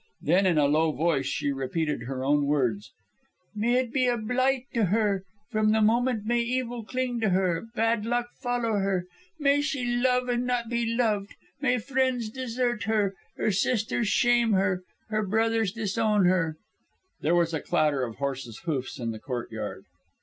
Then in a low voice she repeated her own words: "May it be a blight to her. From that moment may evil cling to her, bad luck follow her; may she love and not be loved; may friends desert her, her sisters shame her, her brothers disown her " There was a clatter of horse's hoofs in the courtyard.